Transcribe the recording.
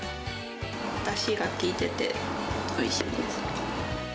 だしが効いてて、おいしいです。